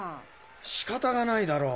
仕方がないだろう